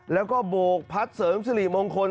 แล้วก็โบกพัดเสริมสิริมงคล